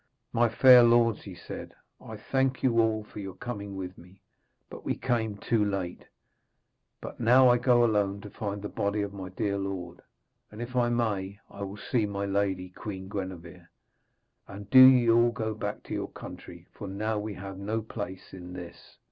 'My fair lords,' he said, 'I thank you all for your coming with me, but we came too late. But now I go alone to find the body of my dear lord, and if I may, I will see my lady, Queen Gwenevere. And do ye all go back into your country, for now we have no place in this.'